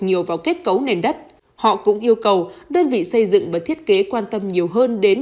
nhiều vào kết cấu nền đất họ cũng yêu cầu đơn vị xây dựng và thiết kế quan tâm nhiều hơn đến